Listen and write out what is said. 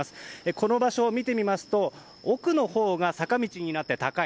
この場所を見てみますと奥のほうが坂道になって高い。